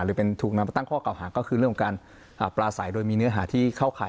หรือเป็นถูกนำมาตั้งข้อกระหาก็คือเรื่องของการอ่าปลาสายโดยมีเนื้อหาที่เข้าข่าย